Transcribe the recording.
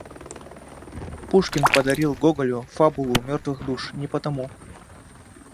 Пушкин подарил Гоголю фабулу "Мертвых душ" не потому